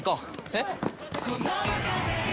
えっ？